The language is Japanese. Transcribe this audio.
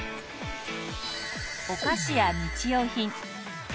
お菓子や日用品。